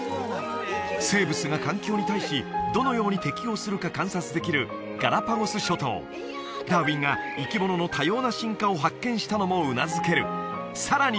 生物が環境に対しどのように適応するか観察できるガラパゴス諸島ダーウィンが生き物の多様な進化を発見したのもうなずけるさらに！